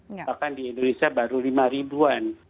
bahkan di indonesia baru lima ribuan